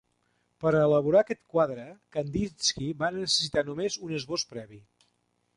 Per a elaborar aquest quadre, Kandinski va necessitar només un esbós previ.